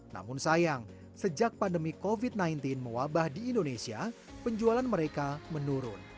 namun sayang sejak pandemi covid sembilan belas mewabah di indonesia penjualan mereka menurun